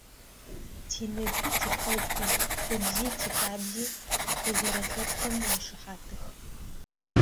Тиныпи, тихэкуи, тыбзи, тихабзи тызэрэлъэпкъым ишыхьатых.